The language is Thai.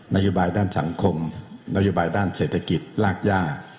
นโยบายด้านสังคมนโยบายด้านเศรษฐกิจรากย่า